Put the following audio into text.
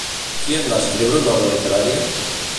Qui en va escriure una obra literària?